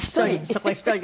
１人。